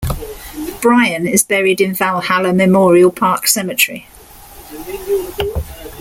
Bryan is buried in Valhalla Memorial Park Cemetery.